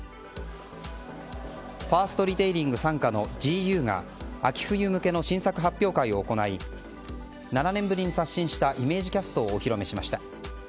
ファーストリテイリング傘下のＧＵが秋冬向けの新作発表会を行い７年ぶりに刷新したイメージキャストをお披露目しました。